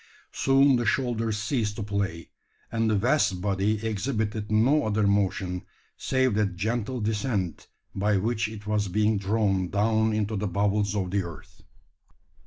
Soon the shoulders ceased to play; and the vast body exhibited no other motion, save that gentle descent by which it was being drawn down into the bowels of the earth!